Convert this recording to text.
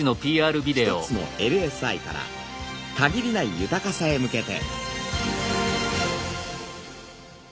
「一つのＬＳＩから限りない豊かさへ向けて」。